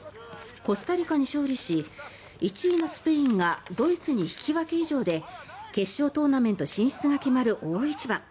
コスタリカに勝利し１位のスペインがドイツに引き分け以上で決勝トーナメント進出が決まる大一番。